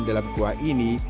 dalam kuah ini